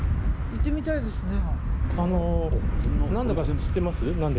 行ってみたいですね。